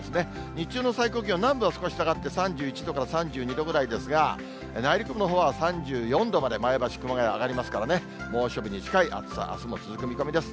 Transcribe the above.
日中の最高気温、南部は少し下がって３１度から３２度ぐらいですが、内陸部のほうは３４度まで、前橋、熊谷、上がりますからね、猛暑日に近い暑さ、あすも続く見込みです。